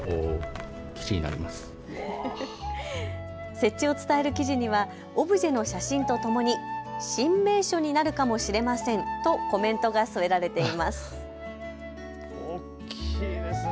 設置を伝える記事にはオブジェの写真とともに新名所になるかもしれませんとコメントが添えられています。